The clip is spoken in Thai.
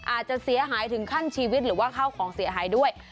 อาจจะเสียหายถึงขั้นชีวิตหรือว่าข้าวของเสียหายด้วย